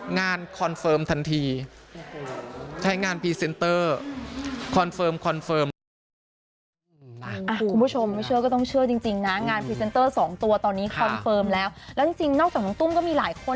คอนเฟิร์มทันทีใช้งานพรีเซนเตอร์คอนเฟิร์มคอนเฟิร์มตลอด